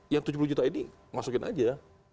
yang tujuh puluh juta ini masukin aja